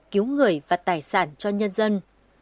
cứu người và tài sản cho nhân dân